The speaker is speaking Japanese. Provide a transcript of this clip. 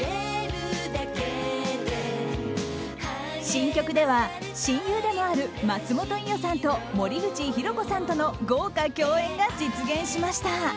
新曲では親友でもある松本伊代さんと森口博子さんとの豪華共演が実現しました。